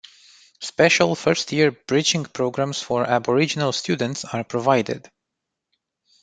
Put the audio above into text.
Special first-year bridging programs for Aboriginal students are provided.